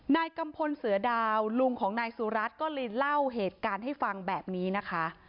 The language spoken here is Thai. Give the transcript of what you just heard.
กัมพลเสือดาวลุงของนายสุรัตน์ก็เลยเล่าเหตุการณ์ให้ฟังแบบนี้นะคะ